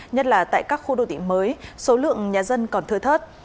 nhất là tại các khu đô tỉnh mới số lượng nhà dân còn thưa thớt